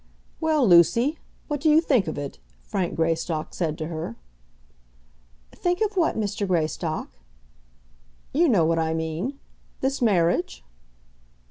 "Well, Lucy; what do you think of it?" Frank Greystock said to her. "Think of what, Mr. Greystock?" "You know what I mean; this marriage?"